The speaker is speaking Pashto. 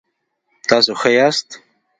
تاسو ښه یاست؟